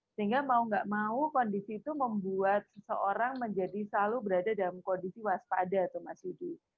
sehingga mau gak mau kondisi itu membuat seseorang menjadi selalu berada dalam kondisi waspada tuh mas yudi